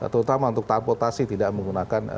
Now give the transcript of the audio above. terutama untuk transportasi tidak menggunakan